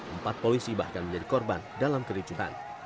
empat polisi bahkan menjadi korban dalam kericuhan